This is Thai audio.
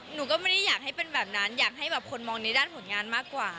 หนูก็ไม่ได้อยากให้เป็นแบบนั้นอยากให้แบบคนมองในด้านผลงานมากกว่า